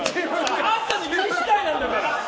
あんたの指次第なんだから！